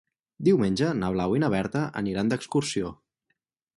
Diumenge na Blau i na Berta aniran d'excursió.